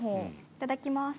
いただきます。